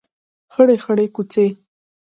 خړې خړۍ کوڅې